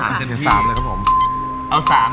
มันได้แค่๓ครับ